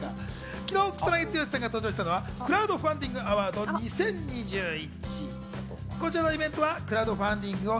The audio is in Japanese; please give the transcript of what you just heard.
昨日、草なぎ剛さんが登場したのはクラウドファンディングアワード２０２１。